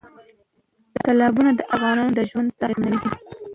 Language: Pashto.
تالابونه د افغانانو د ژوند طرز اغېزمنوي.